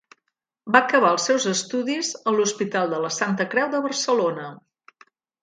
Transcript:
Va acabar els seus estudis a l'Hospital de la Santa Creu de Barcelona.